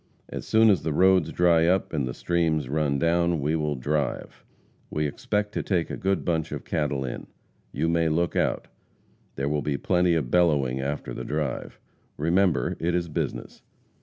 As soon as the roads dry up, and the streams run down, we will drive. We expect to take a good bunch of cattle in. You may look out. There will be plenty of bellowing after the drive. Remember, it is business.